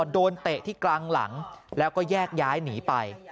เตะที่กลางหลังแล้วก็แยกย้ายหนีไป